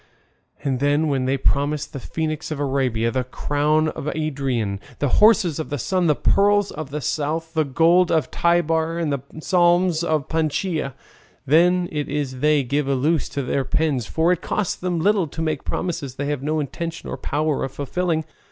And then when they promise the Phoenix of Arabia, the crown of Ariadne, the horses of the Sun, the pearls of the South, the gold of Tibar, and the balsam of Panchaia! Then it is they give a loose to their pens, for it costs them little to make promises they have no intention or power of fulfilling.